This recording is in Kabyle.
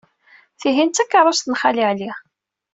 Tihin d takeṛṛust n Xali Ɛli.